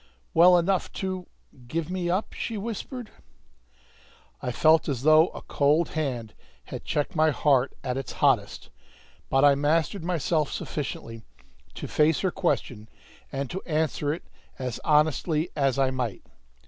"Well enough to give me up?" she whispered. I felt as though a cold hand had checked my heart at its hottest, but I mastered myself sufficiently to face her question and to answer it as honestly as I might.